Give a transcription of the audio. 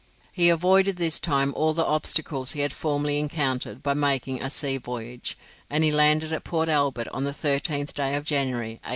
He avoided this time all the obstacles he had formerly encountered by making a sea voyage, and he landed at Port Albert on the 13th day of January, 1844.